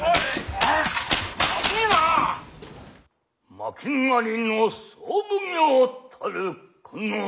「巻狩りの総奉行たるこの祐経」。